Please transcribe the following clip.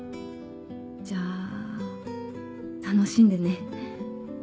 じゃあ楽しんでね。